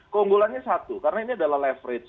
keunggulannya satu karena ini adalah leverage